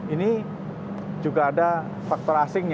ini juga ada faktor asing